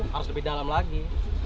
harus lebih dalam lagi